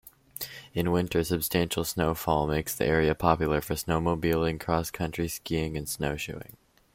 In winter, substantial snowfall makes the area popular for snowmobiling, cross-country skiing, and snowshoeing.